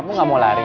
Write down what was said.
kamu nggak mau lari